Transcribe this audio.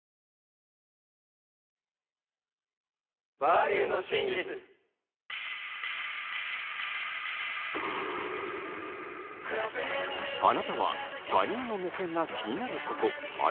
あなたは他人の目線が気になることありませんか？